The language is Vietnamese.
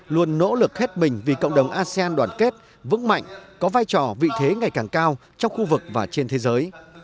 luôn nỗ lực hết mình vì cộng đồng asean đoàn kết vững mạnh có vai trò vị thế ngày càng cao trong khu vực và trên thế giới